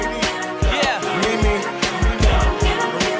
มีมิลลี่